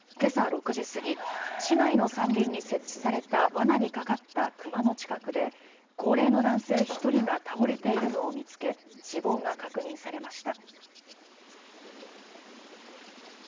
６時過ぎ、市内の山林に設置されたわなにかかったクマの近くで高齢の男性１人が倒れているのを見つけ、死亡が確認されました。